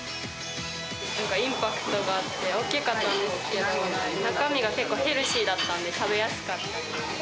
なんかインパクトがあって、大きかったんですけど、中身が結構ヘルシーだったんで、食べやすかった。